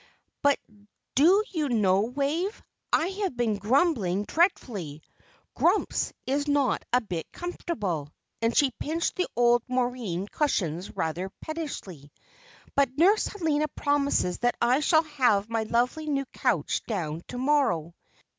"But do you know, Wave, I have been grumbling dreadfully. 'Grumps' is not a bit comfortable;" and she pinched the old moreen cushions rather pettishly. "But Nurse Helena promises that I shall have my lovely new couch down to morrow.